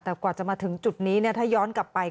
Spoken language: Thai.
แต่กว่าจะมาถึงจุดนี้ถ้าย้อนกลับไป